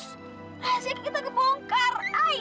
seharusnya kita kebongkar